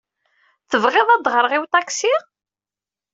Tebɣiḍ ad d-aɣreɣ i uṭaksi?